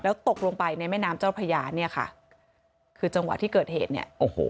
ตกลงไปในแม่น้ำเจ้าพระยาเนี่ยค่ะคือจังหวะที่เกิดเหตุเนี่ยโอ้โห